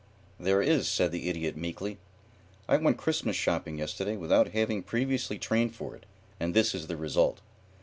"There is," said the Idiot, meekly. "I went Christmas shopping yesterday without having previously trained for it, and this is the result.